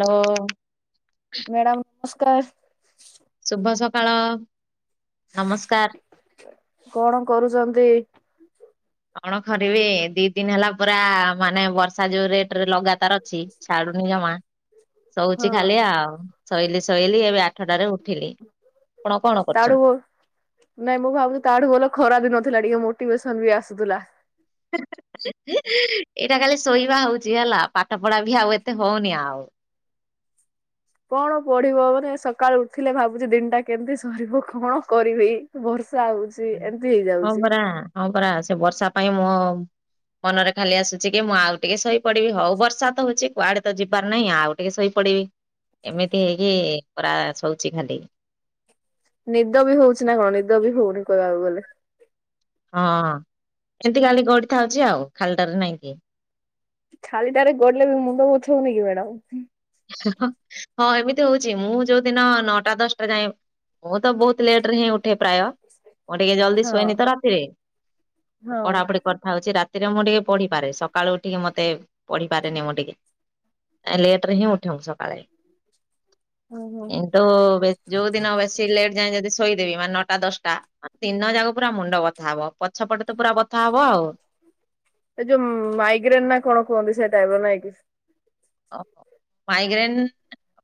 ଲୋ। Madam ନମସ୍କାର। ଶୁଭ ସକାଳ ନମସ୍କାର। କଣ କରୁଛନ୍ତି? କଣ ଖରିବେ ଦି ଦିନ ହେଲା ପୁରା ମାନେ ବର୍ଷା ଯୋଉ ରେଟ ରେ ଲଗା ତାର ଅଛି ଛାଡୁନି ଜମା। ଶୋଉଛି ହଁ ଖାଲି ଆଉ, ଶୋଇଲି ଶୋଇଲି ଏବେ ଆଠଟାରେ ଉଠିଲି। ଆପଣ କଣ ତାଠୁ କରୁଛନ୍ତି? ନାଇଁ ମୁଁ ଭାବୁଛିି ତାଠୁ ଭଲ ଖରା ଦିନ ଥିଲା ଟିକେ ମୋଟିଭେସନ ବି ଆସୁଥିଲା। ଏଇଟା କାଲି ଶୋଇବା ହୋଉଛି ହେଲା ପାଠ ପଢ଼ା ବି ଆଉ ଏତେ ହଉନି ଆଉ। କଣ ପଢ଼ିବ ମାନେ ସକାଳୁ ଉଠିଲେ ଭାବୁଛି ଦିନଟା କେମିତି ସରିବ କଣ କରିବି। ବର୍ଷା ହୋଉଛି ଏମତି ହଁ ହେଇଯାଉଛି। ପରା ହଁ ପରା ସେ ବର୍ଷା ପାଇଁ ମଁ ମନରେ ଖାଲି ଆସୁଛି କି ମୁଁ ଆଉ ଟିକେ ସହି ପଡ଼ିବି ହଉ ବର୍ଷା ତ ହଉଛି କୁଆଡ଼େ ତ ଯିବାର ନାହିଁ ଆଉ। ଟିକେ ଶୋଇପଡ଼ିବି ଏମିତି ହେଇକି ପରା ଶୋଉଛି ଖାଲି। ନିଦ ବି ହୋଉଛିି ନା କଣ ନିଦ ବି ହୋଉନି କହିବାକୁ ଗଲେ। ହଁ ଏମିତି କାଲି ଗଡ଼ିଥାଉଛି ଆଉ ଖାଲିଟାରେ ନାଇଁକି। ଖାଲି ଟାରେ ଗଡ଼ିଲେ ବି ମୁଣ୍ଡ ବଥୋଉନି କି ମ୍ୟାଡ଼ାାମ? ହଁ ଏମିତି ହୋଉଛି ମୁଁ ଯୋଉ ଦିନ ନଅଟା ଦଶଟା ଯାଏଁ ମୁଁ ତ ବହୁତ ଲେଟରେ ହିଁ ଉଠେ ପ୍ରାୟ। ମୁଁ ଟିକେ ଜଲଦି ହଁ ଶୁଏଇନି ତ ରାତିରେ ହଁ ପଢ଼ାପଢ଼ି କରିଥାଉଛି ରାତ୍ ରାତିରେ ମୁଁ ଟିକେ ପଢ଼ିପାରେ ସକାଳୁ ଉଠିକି ମତେ ପଢ଼ିପାରେନି ମୁଁ ଟିକେ। ଆ ଲେଟ୍ ଲେଟ୍ ରେ ହିଁ ଉଠେ ମୁଁ ସକାଳେ। ହଁ ହଁ ଇଣ୍ଟୁ ଯୋଉ ଦିନ ବେ ସେ ଲେଟଯାଏଁ ଯଦି ଶୋଇଦେବି ମାନେ ନଅଟା ଦଶଟା ଦିନ ଯାକ ପୁରା ମୁଣ୍ଡ ବଥା ହବ ପଛପଟେ ତ ପୁରା ବଥା ହବ ଆଉ। ସେ ଯୋଉ ମାଇଗ୍ରେନ ନା କଣ କୁହନ୍ତି ସେ ଟାଇପ ର ନାଇଁ କି? ଓ ହ ମାଇଗ୍ରେନ୍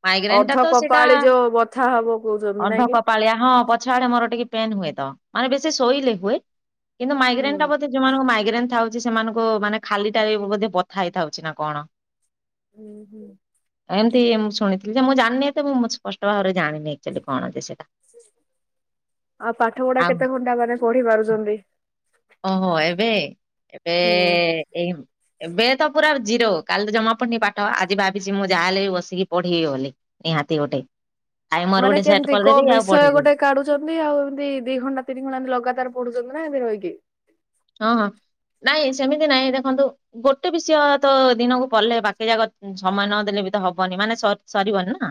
ମାଇଗ୍ରେନ୍ ଅର୍ଧ ଟା ତ ସେଟା କପାଳି ଯୋଉ ବଥା ହବ କହୁଛନ୍ତି ନାଇଁ ଅର୍ଦ୍ଧ କି? କପାାଳିଆ ହଁ ପ ଛ ଆଡେ ମୋର ଟିକେ ପେନ୍ ହୁଏ ତ ମାନେ ବେଶୀ ଶୋଇଲେ ହୁଏ କିନ୍ତୁ ହୁଁ ମାଇଗ୍ରେନଟା ବୋଧେ ଯୋଉମାନ ମାଇଗ୍ରେନ୍ ଥାଉଛି ସେମାନଙ୍କୁ ମାନେ ଖାଲି ଟା ବଥା ହେଇଥାଉଛି ନା କଣ। ହୁଁ ହୁଁ ଏମତି ମୁଁ ଶୁଣିଥିଲି ଯେ ମୁଁ ଜାିନି ତ ମୁଁ ସ୍ପଷ୍ଟ ଭାବରେ ଜାଣିନି ଏଚୁଆଲି କଣ ଯେ ସେଇଟା। ଆଉ ପାଠ ପଢା ଆଉ କେତେ ଘଣ୍ଟା ମାନେ ପଢି ପାରୁଛନ୍ତି? ଓହୋ ଏବେ ଏବେ ହୁଁ। ଏଇ। ଏବେ ତ ପୁରା ଜିରୋ କାଲି ତ ଜମା ପଡିନି ପାଠ ଆଜି ଭାବିଛି ମୁଁ ଯାହା ହେଲେ ବି ବସିକି ପଢେଇି ବୋଲିଲି। ନିହାତି ଗୋଟେ ଟାଇମର ମାନେ ଗୋଟେ ସେଟ୍ କେମିତି କୋଉ କରିଦେବି ଆଉ ବିଷୟ ପଢ଼ିବି। ଗୋଟେ କାଢୁଛନ୍ତି ଆଉ ଏମିତି ଦି ଘଣ୍ଟା ତିନି ଘଣ୍ଟା ଏମତି ଲଗାତାର ପଢୁଛନ୍ତି ନା ଏମତି ରହିକି। ହଁ ହଁ ନାଇଁ ସେମିତି ନାଇଁ ଦେଖନ୍ତୁ। ଗୋଟେ ବିଷୟ ତ ଦିନକୁ ପଡଲେ ବାକି ଯାକ ସମୟ ନଦେଲେ ବି ତ ହବନି ମାନେ ସ ସରିବନି ନା।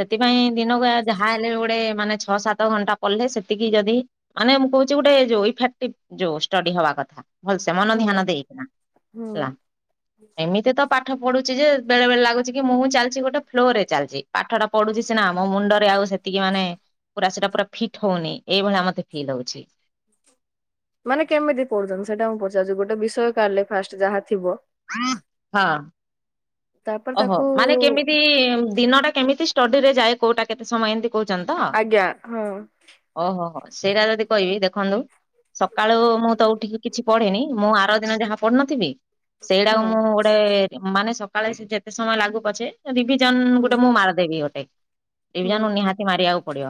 ସେଥିପାଇଁ ଦିନକୁ ଯାହା ହେଲେ ଗୋଟେ ମାନେ ଛଅ ସାତ। ସତ ଘଣ୍ଟା ପଡ଼ିଲେ ସେତିକି ଯଦି ମାନେ ମୁଁ କହୁଛି ଗୋଟେ ଯୋଉ ଇଫେକ୍ଟିଭି ଯୋଉ ଷ୍ଟଡି ହବା କଥା। ଭଲସେ ମନ ହଁ ଧ୍ୟାନ ଦେଇକିନା ହେଲା। [unintelligible] ଏମିତି ତ ପାଠ ପଢୁଛି ଯେ ବେଳେ ବେଳେ ଲାଗୁଛି କି ମୁଁ ହଁ ଚାଲିଛି ଗୋଟେ ଫ୍ଲୋର ରେ ଚାଲିଛି ପାଠଟା ପଡୁଛି ସିନା ମୋ ମୁଣ୍ଡରେ ଆଉ ସେତିକି ମାନେ। ପୁରା ସେଇଟା ପୁରା ଫିଟ୍ ହଉନି ଏଇଭଳିଆ ମତେ ଫିଲ୍ ହଉଛି। ମାନେ କେମିତି ପଡୁଛନ୍ତି ସେଇଟା ମୁଁ ପଚାରୁଛି ଗୋଟେ ବିଷୟ କାିଲେ ଫାଷ୍ଟ ଯାହା ଥିବ। ହଁ। ତାପରେ ଓହୋ ତାକୁ ମାନେ କେମିତି ଦିନ ଟା କେମିତି ଷ୍ଟଡି ରେ ଯାଏ କୋଉଟା କେତେ ସମୟ ଏମତି କହୁଛନ୍ତି ତ ଆଜ୍ଞା ହଁ ଓହୋ ହୋ ସେଇଟା ଯଦି କହିବି ଦେଖନ୍ତୁ। ସକାଳୁ ମୁଁ ତ ଉଠିକି କିଛି ପଢେିନି ମୁଁ ଆର ଦିନ ଯାହା ପଢି ନଥିବି ହଁ ସେଇଟାକୁ ମୁଁ ଗୋଟେ ମାନେ ସକାଳେ ଯେତେ ସମୟ ଲାଗୁ ପଛେ। ଡିଭିଜନ ହୁଁ ଗୋଟେ ମୁଁ ମାରିଦେବି ଗୋଟେ ହୁଁ ଡିଭିଜନ ନିହାତି ମାରିବାକୁ ପଡିବ।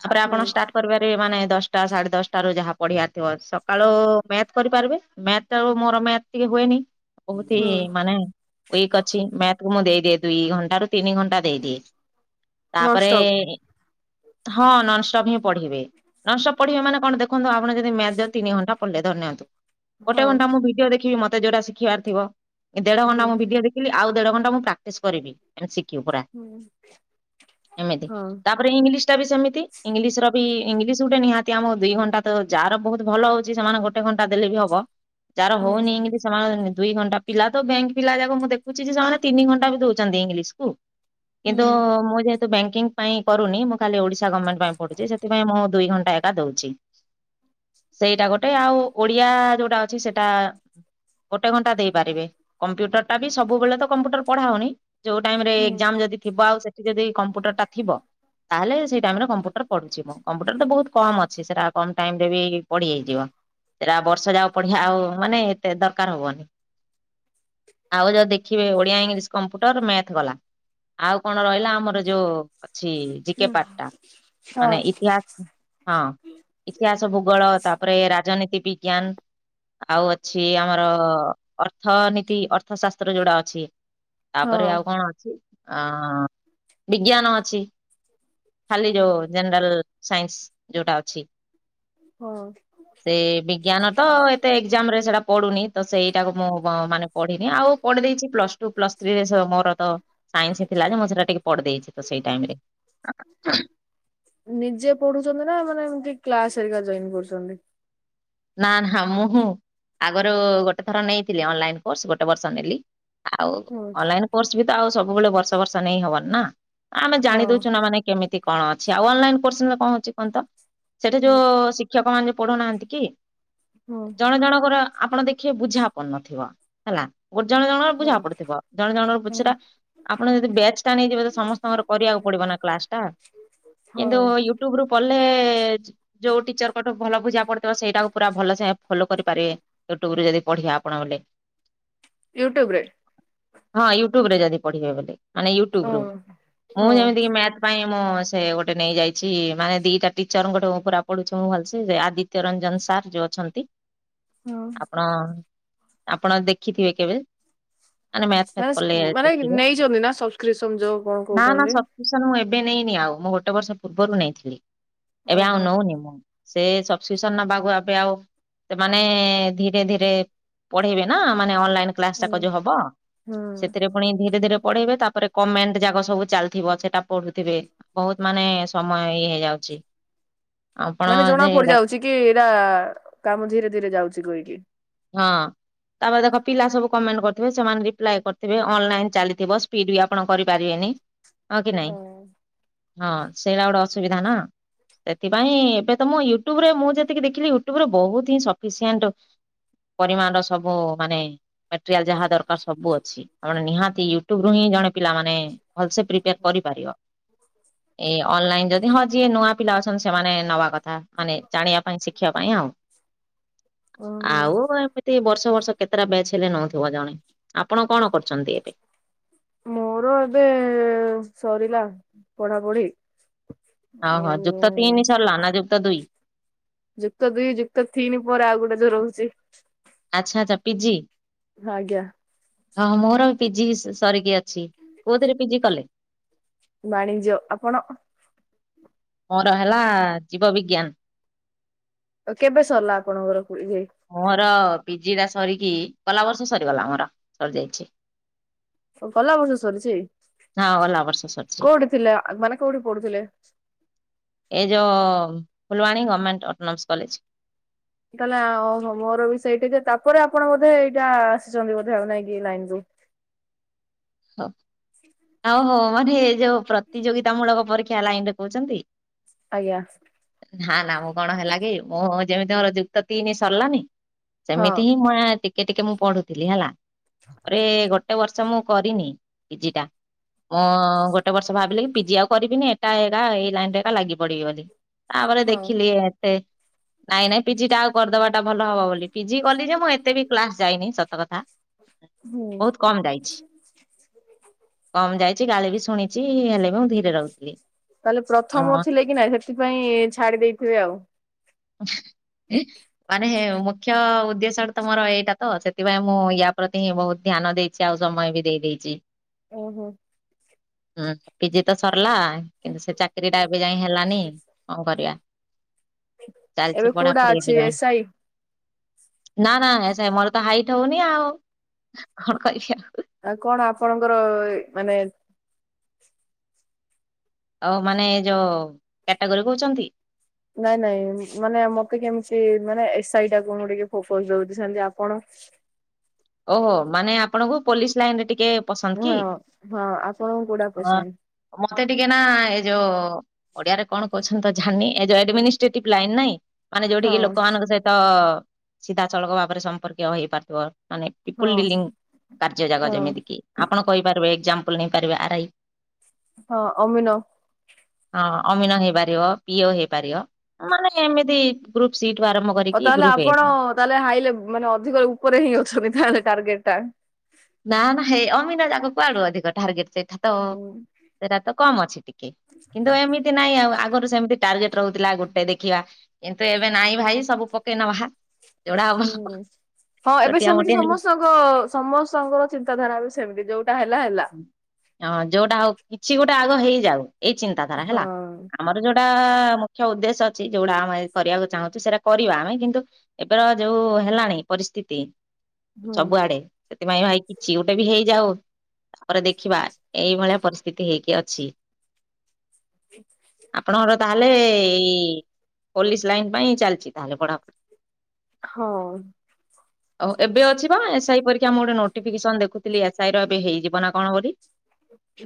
ତାପରେ ହୁଁ ଆପଣ ଷ୍ଟାର୍ଟ ାର ମାନେ ଦଶଟା ସାଢେ ଦଶଟା ର ଯାହା ପଢିାର ଥିବ ସକାଳୁ ମ୍ୟାଥ କରିପାରିବେ। ମ୍ୟାଥ ମୋର ମ୍ୟାଥ ଟିକେ ହୁଏନି ବହୁତ ହୁଁ ହି ମାନେ ୱିକ ଅଛି। ମ୍ୟାଥକୁ ମୁଁ ଦେଇଦିଏ ଦୁଇ ଘଣ୍ଟା ରୁ ତିନି ଘଣ୍ଟା ଦେଇଦିଏ ତାପରେ। ନନଷ୍ଟପ୍ ହଁ ନନଷ୍ଟପ୍ ହିଁ ପଢିବେ ନନପ୍ ପଢିବେ ମାନେ କଣ ଦେଖନ୍ତୁ ଆପଣ ଯଦି ମଚ ତିନି ଘଣ୍ଟା ଧଅନ୍ତୁ ଗୋଟେ ହଁ ଘଣ୍ଟାଁ ଭିଡିଓ ଦେଖିବି ମତେ ଯୋଉଟା ଶିଖିବାର ଥିବ ଦେଢ ହୁଁ ଘଣ୍ଟା ମୁଁ ଭିଡିଓ ଦେଖି ଆଉ ଦେଢ ଘଣ୍ଟା ମୁଁ ପ୍ରାକ୍ଟିସ କରିବି ଏମତି ଶିଖିବୁ ପୁର ହୁଁ ଏମିତି ହଁ ତାପରେ ଇଂଲିଶ ଟା ବି ସେମିତି ଇଂଲିଶ ର ବି ଇଂଲିଶ ଗୋଟେ ନିହାତି ଆମ ଦୁଇ ଘଣ୍ଟା ତ ଯାହାର ର ବହୁତ ଭଲ ହଉଛି ସେମାନେ ଗଟେ ଟେ ଘଣ୍ଟା ଦେଲେ ବି ହବ ଯାହାର ହୁଁ ହଉନି କିତି ସେ ଦୁଇ ଘଣ୍ଟା ପିଲା ତ ବ୍ୟାଙ୍କ ପିଲା ଯାକ ମୁଁ ଦେଖ ଛି ଯେ ସେମାନେ ତିନି ଘଣ୍ଟା ବି ଦଉଛନ୍ତି ଇଂଲିଶ କୁ ହୁଁ କିନ୍ତୁ ମୁଁ ତୁ ବ୍ୟାଙ୍କିଙ୍ଗ ପାଇଁ କରୁନି ମୁଁ ଖାଲି ଓଡ଼ିଶା ଗମେଣ୍ଟ ପାଇଁ ପଢୁଛି ସେଥିପାଇଁ ଦୁଇ ଘଣ୍ଟା ଏକା ଦଉଛି। ସେଇଟା ଗୋଟେ ଆଉ ଓଡିଆ ଯୋଉଟା ଅଛି ସେଟା ଗୋଟେ ଘଣ୍ଟା ଦେଇପାରିବେ କମ୍ପ୍ୟୁଟର ଟା ବି ସବୁବେଳେ ତ କମ୍ପ୍ୟୁଟର ପଢା ହଉନି ଯୋଉ ଟାଇମ ରେ ହୁଁ ଏକ୍ଜାମ ଯଦ ଥିବ ଆଉ ସେ ଯଦି କମ୍ପ୍ୟୁଟର ଟା ଥିବ ତାହଲେ ସେଇ ଟାଇମ ରେ କମ୍ପ୍ୟୁଟର ପଢୁଛି ମୁଁ କମ୍ପ୍ୟୁଟର ତ ବହୁତ କମ ଅଛି ସେଟା କମ୍ ଟାଇମ୍ରରେ ବି ପଢ଼ି ହେଇଯିବ ସେଇଟା ବର୍ଷ ଯାକ ପଢ଼ିିବା ଆଉ ମାନେ ଏତେ ଦରକାର ହେବନି। ଆଉ ଯଉ ଦେଖିବେ ଓଡିଆ ଇଂଲିଶ କମ୍ପ୍ୟୁଟର ମ୍ୟାଥ ଗଲା ଆଉ କଣ ରହିଲା ଆମର ଯୋଉ ଅଛି ହୁଁ ଜିିକପାଟଟା ହଁ ମାନେ ଇତିହାସ ହଁ ଇତିହାସ ଭୂଗୋଳ ତାପରେ ରାଜନୀତି ବିଜ୍ଞାନ ଆଉ ଅଛି ଆମର ଅର୍ଥନୀତି ଅର୍ଥ ଶାସ୍ତ୍ର ଯୋଉଡା ଅଛି ହଁ ତାପରେ ଆଉ କଣ ଅଛି? ଅ ବିଜ୍ଞାନ ଅଛି। ଖାଲି ଯୋଉ ଜେନେରାଲ ସାଇନ୍ସ ଯୋଉଟା ଅଛି। ହଁ। ସେ ବିଜ୍ଞାନ ତ ଏତେ ଏକ୍ଜାମ ରେ ସେଟା ପଢୁନି ତ ସେଇଟାକୁ ମୁଁ କଣ ମାନେ ପଢି ଆଉ ପଢି ଦେଇଚି ପ୍ଲସ ଟୁ ପ୍ଲସ୍ ଥ୍ରୀରେସେ ମୋର ତ ସାଇନ୍ସ ଥିଲା ଯେ ମୁଁ ସେଟା ଟିକେ ପଢ ଦେଇଛି ତ ସେଇ ଟାଇମ୍ ରେ। ନିଜେ ପଢୁଛନ୍ତି ନା ମାନେ ଏମତି କ୍ଲାସରିକା ଜଏନ କରୁଛନ୍ତି? ନା ହା ମୁଁଁ ଆଗରୁ ଗୋଟେ ଥର ନେଇଥିଲି ଅନଲାଇନ କୋର୍ସ ଗୋଟେ ବର୍ଷ ନେଲି ଆଉ ହୁଁ ଅନଲାଇନ୍ କୋର୍ସ ବି ତ ଆଉ ସବୁବେଳେ ବର୍ଷ ବର୍ଷ ନେଇ ହବନି ନା ଆମେ ହଁ ଜାଣି ଦଉଚୁନା ମାନେ କେମିତି କଣ ଅଛି ଆଉ ଅନଲାଇନ କୋର୍ସ କଣଛି କୁହ ତ ସେଠୁ ହୁଁ ଯୋଉ ଶଷ ଶିକ୍ଷକ ମାନେ ପଢୁନାହାନ୍ତି କି? ହଁ। ଜଣେ ଜଣଙ୍କର ଆପଣ ଦେଖିବେ ବୁଝାପନନଥିବ ହେଲା। ଗୋ ଜଣେ ଜଣର ବୁଝା ହଁ ପଡୁଥିବ ଜଣେ ଜଣର ବୁଝିଲା ହୁଁ ଆପଣ ଯଦି ବ୍ୟାଚ୍ ଟା ନେଇଯିବେ ସମସ୍ତଙ୍କର କରିବାକୁ ପଡିବ ନା କ୍ଲାସ ଟା। ହଉ। କିନ୍ତୁ ୟୁଟ୍ୟୁବ ରୁ ପଢିଲେ ଯୋଉ ଟିଚର କଠୁ ଭଲ ବୁଝା ପଡିିଥିବ ପୁରା ଭଲସେ ଫଲୋ କରିପାରିବେ ୟୁଟ୍ୟୁବରୁୁ ଯଦି ପଢ଼ିବା ଆପଣ ଗୋଟେ। ୟୁଟ୍ୟୁବ୍ ରେ? ହଁ ୟୁଟ୍ୟୁବରେ ଯଦି ପଢିବେ ବୋଲି ମାନେ ହଁ ୟୁଟୁବୁ ମୁଁ ହଁ ଯେମିତିକି ମ୍ୟାଥ ପାଇଁ ମୁଁ ସେ ଗୋଟେ ନେଇଯାଇଛି ମାନେ ଦିଇଟା ଟିଚର ଙ୍କ ଠୁ ପୁରା ପଢୁଛି ମୁଁ ଭଲସେ ସେ ଆଦିତ୍ୟ ରଞ୍ଜନ ସାର୍ ଯୋଉ ଅଛନ୍ତି ହଁ ଆପଣ ଆପଣ ଦେଖିଥିବେ କେବେ। ମାନେ ମ୍ୟାଥ୍ ଫ୍ୟାଥ୍ କଲେ ମାନେ ଦେଖିବ ନେଇଛନ୍ତି ନା ସବସ୍କ୍ରିପସନ ଯୋଉ କଣ ନା ନା କହୁଛନ୍ତି? ସଵ ସନ୍ ମୁଁ ଏବେ ନେଇନି ଆଉ ମୁଁ ଗୋଟେ ବର୍ଷ ପୂର୍ବରୁ ନେଇଥିଲି ଏବେ ଆଉ ଓହୋ ନଉନି ମୁଁ। ସେ ସବସିସନ୍ ନବାଗୁଆ ଏବେ ଆଉ ସେମାନେ ଧୀରେ ଧୀରେ ପଢେଇବେ ନା ମାନେ ଅନଲାଇନ୍ କ୍ଲାସଟାକ ହୁଁ ଯୋଉ ହବ ହୁଁ ସେଥିରେ ପୁ ପୁଣି ଧୀରେ ଧୀରେ ପଢେଇବେ ତାପରେ କମେଣ୍ଟ ଯାକ ସବୁ ଚାଲିଥିବ ସେଟାପଢୁଥିବେ ବହୁତ୍ ମାନେ ସମୟ ଇଏ ହେଇଯାଉଚି। ମାନେ ଜଣା ପଡି ଯାଉଛି କି ଏଇଟା କାମ ଧୀରେ ଧୀରେ ଯାଉଛି କହିକି। ହଁ। ତାପରେ ଦେଖ ପିଲା ସବୁ କମେଣ୍ଟ କରିଥିବେ ସେମାନେ ରିପ୍ଲାଏ କରିଥିବେ ଅନଲାଇନ୍ ଚାଲିଥିବ ସ୍ପିଡ ବି ଆପଣ କରିପାରିବେନି। ହଁ କି ନାଇଁ ହଁ ସେଇଟା ଗୋଟେ ଅସୁବିଧା ନା। ସେଥିପାଇଁ ଏବେ ତ ମୁଁ ୟୁଟ୍ୟୁବ୍ ରେ ମୁଁ ଯେତିକି ଦେଖିଲି ୟୁଟ୍ୟୁବ୍ ରେ ବହୁତ ହିଁ ସଫିସିଏଣ୍ଟ ପରିମାଣର ସବୁ ମାନେ ମେଟେରିଆଲ ଯାହା ଦରକାର ସବୁ ଅଛି। ଜଣେ ନିହାତି ୟୁଟ୍ୟୁବ୍ ରୁ ହିଁ ଜଣେ ପିଲା ମାନେ ଭଲସେ ପ୍ରିପେୟାର୍ କରିପାରିବ। ଏଇ ଅନଲାଇନ ଯଦି ହଁ ଯିଏ ନୂଆ ପିଲା ଅଛନ୍ତି ସେମାନେ ନବା କଥା ମାନେ ଜାଣିବା ପାଇଁ ଶିଖିବା ପାଇଁ ଆଉ। ଓହୋ ଆଉ ଏମିତି ବର୍ଷ ବର୍ଷ କେତେଟା ବେଚ ହେଲେ ନଉଥିବ ଜଣେ ଆପଣ କଣ କରୁଛନ୍ତି ଏବେ? ମୋର ଏବେ ସରିଲା ପଢାପଢି। ହଉ ହୋ ଯୁକ୍ତ ଆଉ ତିନି ସରିଲା ନା ଯୁକ୍ତ ଦୁଇ? ଯୁକ୍ତ ଦୁଇ ଯୁକ୍ତ ତିନି ପରେ ଆଉ ଗୋଟେ ଯୋଉ ରହୁଛି। ଆଚ୍ଛା ଆଚ୍ଛା ପିଜି? ଆଞା। ହଁ ମୋର ପିଜି ସରିକି ଅଛି କୋଉଥିରେ ପିଜି କଲେ। ବାଣିଜ ଆପଣ ମୋର ହେଲା ଜୀବବିଜ୍ଞାନ। ଆଉ କେବେ ସରିଲା ଆପଣଙ୍କର ଇ ମୋର ପିଜି ଟା ସରିକି ଗଲା ବର୍ଷ ସରିଗଲା ମୋର ସରି ଯାଇଛି। ଗଲା ବର୍ଷ ସରିଛି ହଁ ଗଲା ବର୍ଷ ସରିଛି କୋଉଠି ଥିଲେ ମାନେ କୋଉଠି ପଢୁଥିଲେ। ଏ ଯେୋଁ ଫୁଲବାଣୀ ଗଭର୍ଣ୍ଣମେଣ୍ଟ ଅଟୋନମସ୍ କଲେଜ। ତାହେଲେ ମୋର ବି ସେଇଠିକି ତାପରେ ଆପଣ ବୋଧେ ଏଇଟା ଆସିଛନ୍ତି ବୋଧେ ନାଇଁକ ଲାଇନ ରୁ? ହ ଆଉ ହଉ ମାନେ ଏ ଯୋଉ ପ୍ରତିଯୋଗିତା ମୂଳକ ପରୀକ୍ଷା ହେଲା ଏ ମିତିରେ କହୁଛନ୍ତି। ଆଜ୍ଞା। ନା ନା ମୁଁ କଣ ହେଲା କି ମୁଁ ଯେମିତି ମୋର ଯୁକ୍ତ ତିନି ସରିଲାନି। ହଁ ସେମିତି ହିଁ ମୁ ଟିକେ ଟିକେ ମୁଁ ପଢୁଥିଲି ହେଲା ଆରେ ଗୋଟେ ବର୍ଷ ମୁଁ କରିନି ପିଜି ଟା? ହଁ ଗୋଟେ ବର୍ଷ ଭାବିଲେ କି ପିଜି ଆଉ କରିବିନି ଏଟା ଏ ଏକା ଏଇ ଲାଇନ ରେ ଏକା ଲାଗି ପଡିବି ବୋଲି। ତାପରେ ହଁ ଦେଖିଲି ନାଇଁ ନାଇଁ ପିଜି ଟା ଆଉ କରିଦବାଟା ଭଲ ହବ ବୋଲି ପିଜି କଲି ଯେ ମୁଁ ଏତେ ବି କ୍ଲାସ ଯାଇନି। ସତ କଥା ହୁଁ ବହୁତ କମ ଯାଇଛି। କମ ଯାଇଛି ଗାଳି ବି ଶୁଣିଛି ହେଲେ ବି ମୁଁ ଧୀରେ ରହୁଥିଲି। ତାହେଲେ ପ୍ରଥମ ହଁ ଥିଲେ କି ନାଇ ସେଥିପାଇଁ ଛାଡି ଦେଇଥିବେ ଆଉ ମାନେ ହେ ମୁ ମୁଖ୍ୟ ଉଦ୍ଦେଶ୍ୟଟା ତ ମୋର ଏଇଟା ତ ସେଥିପାଇଁ ମୁଁ ୟା ପ୍ରତି ହିଁ ବହୁତ ଧ୍ୟାନ ଦେଇଛି ଆଉ ସମୟ ବି ଦେଇ ଦେଇଛିି। ଓହୋ। ପିଜି ତ ସରିଲା କିନ୍ତୁ ସେ ଚାକିରି ଟା ଏବେ ଯାଇ ହେଲାନି ହଉ। କରିବା ଏବେ ଚାଲିଛି କୋଉଟା ପଢାପଢି ଅଛି ଏବେ ଯାଏ। ଏସ୍ ଆଇ ନା ନା ମୋର ତ ହାଇଟ୍ ହଉନି ଆଉ କଣ କରିବି ଆଉ। ଆଉ କଣ ଆପଣଙ୍କର ମାନେ ଆଉ ମାନେ ଏ ଯୋଉ କ୍ୟାଟାଗୋରୀ କହୁଛନ୍ତି। ନାଇଁ ନାଇଁ ମାନେ ମତେ କେମିତି ମାନେ ଏସ୍ଆଇ ଟା କ ମୁ ଟିକେ ଫୋକସ ଦଉଛି ସେତି ଆପଣ ଓହୋ ମାନେ ଆପଣଙ୍କୁ ପୋଲିସ ଲାଇନ ରେ ଟିକେ ପସନ୍ଦ କି? ହଁ ହଁ ଆପଣଙ୍କୁ ଗୁଡା ହଁ ପୋଷେନ୍। ମତେ ଟିକେ ନା ଏଇ ଯୋଉ ଓଡିଆରେ କଣ କହୁଛନ୍ତି ଜାଣିନିଏଡମିନ୍ରେଟିଭ ଲାଇନ୍ ନାଇଁ ମାନେ ହଁ ଯୋଉଠିିକି ଲୋକମାନଙ୍କ ସହିତ ସିଧାସଳଖ ଭାବରେ ସମ୍ପର୍କୀୟ ହେଇପାରୁଥିବ। ମାନେ ଇପୁଲ ହଁ ଡିଲିଗି କାର୍ଯ୍ୟ ଜାଗ ହଁ। ଯେମିତି କିି ଆପଣ କହିପାରିବେ ଏକ୍ଜାମ୍ପଲ ନେଇପାରିବେ ଆର ଆଇ। ହଁ ଅମିନ। ହଁ ଅମିନ ହେଇପାରିବ ପିଓ ହେଇପାରିବ। ମାନେ ଏମିତି ଗ୍ରୁପ ସିଟ୍ ଆରମ୍ ଆଉ ତାହେଲେ ଆପଣ ତାହେଲେ ହାଇଲେ ମାନେ ଅଧିକ ଉପରେ ହିଁ ଅଛନ୍ତି ତାହେଲେ ଟାର୍ଗେଟ ଟା। ନା ନା ସେଇ ଅମିନା ଯାକ କୁଆଡୁ ଅଧିକ ଟାର୍ଗେଟ ଟା ତ ହୁଁ। ସେଟା ତ କମ ଅଛି ଟିକେ କିନ୍ତୁ ଏମତି ନାଇଁ ଆଉ ଆଗରୁ ସେମିତି ଟାର୍ଗେଟ ରହୁଥିଲା ଗୋଟେ ଦେଖିବା। କିନ୍ତୁ ଏବେ ନାଇଁ ଭାଇ ସବୁ ପକେଇ ନବା। ଯୋଉଟା ହବ ହୁଁ ହଁ ଏବେ ଛୋଟିଆ ମୋଟିଆ ସେମିତି ହେଲେ ସମସ୍ତ ର୍ହୁ ସମସ୍ତଙ୍କର ଚିନ୍ତାଧାରା ବି ସେମିତି ଯୋଉଟା ହେଲା ହେଲା। ହଁ ଯୋଉଟା ହଉ କିଛି ଗୋଟେ ଆଗ ହେଇଯାଉ ଏଇ ଚିନ୍ତାଧାରା ହେଲା ହଁ ଆମ ଯୋଉଟା ମୁଖ୍ୟ ଉଦ୍ଦେଶ୍ୟ ଅଛି ଯୋଉଟା ଆମେ କରିବାକୁ ଚାହୁଁଛୁ ସେଇଟା କରିବା ଆମେ କିନ୍ତୁ ଏବେରା ଯୋଉ ହେଲାଣି ପରିସ୍ଥିତି। ହୁଁ ସବୁଆଡେ ସେଥିପାଇଁ ଭାଇ କିଛି ଗୋଟେ ବି ହେଇଯାଉ। ପରେ ଦେଖିବା ଏଇଭଳିଆ ପରିସ୍ଥିତି ହେଇକି ଅଛି ଆପଣଙ୍କର ତାହେଲେ ଏଇ ପୋଲିସ ଲାଇନ ପାଇଁ ଚାଲିଛି ତାହେଲେ ପଢାପଢି। ହଁ। ହଉ ଏବେ ଅଛି ବା ଏସ୍ ଆଇ ପରୀକ୍ଷା ମୁଁ ଗୋଟେ ନୋଟିଫିକେସନ ଦେଖୁଥିଲି ଏସ୍ ଆଇ ର। ହେ ହେଇଯିବ ନା କଣ ବୋଲି।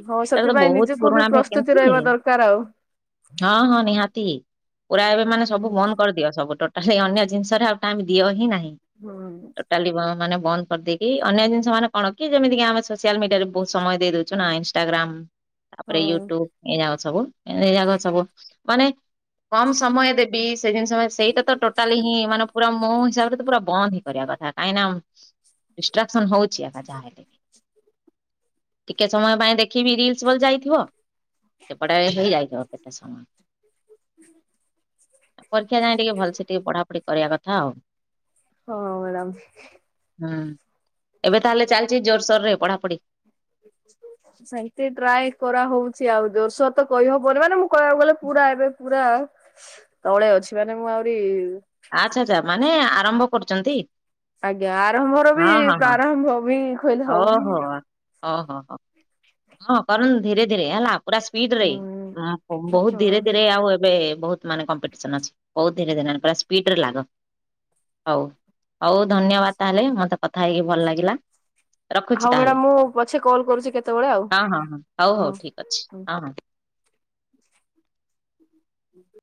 ହଁ ସେଟା ତ ସେଥିପାଇଁ ବହୁତ ନିଜକୁ ବି ପୁରୁଣା ଭେକେନ୍ସି ପ୍ରସ୍ତୁତି ରହିବା ଦରକାର ଆଉ। ହଁ ହଁ ନିହାତି ପୁରା ଏବେ ମାନେ ସବୁ ହୁଁ ବନ୍ଦ କରିଦିଅ ସବୁ ଟୋ ହେ ଅନ୍ୟ ଜିନିଷରେ ଆଉ ଟାଇମ୍ ଦିଅ ହିଁ ନାହିଁ ହୁଁ ଟୋଟାଲି ମାନେ ବନ୍ଦ କରିଦେଇ ଏଇ ଅନ୍ୟ ଜିନିଷ ମାନେ କଣ କି ଯେମିତି କିି ଆମେ ସୋସିଆଲ ମିଡିଆରେ ବହୁତ ସମୟ ଦେଇ ଦଉଛୁ ନା ଇନଷ୍ଟାଗ୍ରାମ। ତାପରେ ହଁ ୟୁଟ୍ୟୁବ ଏ ସବୁ ଏ ଯାକ ସବୁ ମାନେ କମ ସମୟ ଦେବି ସେ ଜିନିଷ ସେଇଟା ତ ଟୋ ଟୋଟାଲ ହିଁ ମାନେ ପୁର ମୋ ହିସାବରେ ପୁରା ବନ୍ଦ ହେଇ କରିବା କଥା କାହିଁ ଡି୍ଷ୍ଟାକ୍ସନ ହଉ ଏକାହାଲେି [unintelligible] ଟିକେ ସମୟ ପାଇଁ ଦେଖିବି ରିଲସ ବୋଲି ଯାଇଥିବ ସେପଟେ ହେଇଯାଇଥିବ କେତେ ସମୟ। ପରୀକ୍ଷା ଯାଏ ଟିକେ ଭଲସେ ଟିକେ ପଢାପଢି କରିବା କଥା ଆଉ। ହଁ ମାଡମ୍। ହୁଁ ଏବେ ତାହଲେ ଚାଲିଚ ଜୋରସୋର ରେ ପଢାପଢି? [unintelligible] ସେମିତି ଟ୍ରାଏ କରାହଉଛି ଆଉ ଜୋରସୋର ତ କହିହବନି ମାନେ ମୁଁ କହିବାକୁ ଗଲେ ପୁରା ଏବେ ପୁରା ତଳେ ଅଛି ମାନେ ମୁଁ ଆହୁରି ଆଚ୍ଛା ଆଚ୍ଛା ମାନେ ଆରମ୍ଭ କରୁଛନ୍ତି। ଆଜ୍ଞା ଆରମ୍ଭର ବି ହଁ ହଁ ହଁ ପ୍ରାରମ୍ଭ ବି କହିଲେ ହବ ଓହୋ ଓହୋ ହୋ ହ କରନ୍ତୁ ଧୀରେ ଧୀରେ ହେଲା। ପୁରା ସ୍ପିଡ ରେ ଉଁ। ବହୁତ ହଁ ଧୀରେ ଧୀରେ ଆଉ ଏବେ ବହୁତ ନେ କମ୍ପିଟିସନ ଅଛି ବହୁତ ଦିନ ହେଲାଣି ପୁରା ସ୍ପିଡରେ ଲାଗ ହଉ ହଉ ଧନ୍ୟବାଦ ତାହେଲେ ମତେ କଥା ହେଇକି ଭଲ ଲାଗିଲା। ରଖୁଛି ହଉ ତାହେଲେ। ମ୍ୟାଡ଼ାମ ମୁଁ ପଛେ କଲ୍ କରୁଛି କେତେବେଳେ ହଉ ହଁ ହଉ ଠିକ ଅଛି ହୁଁ। ହଁ ହଁ। ହୁଁ। [unintelligible]